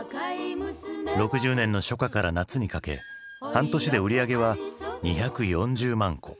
６０年の初夏から夏にかけ半年で売り上げは２４０万個。